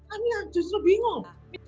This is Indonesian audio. anak justru bingung